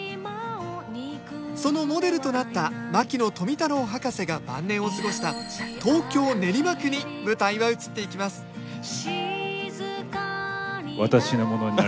そのモデルとなった牧野富太郎博士が晩年を過ごした東京・練馬区に舞台は移っていきますおおっ！